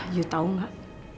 ibu tahu gak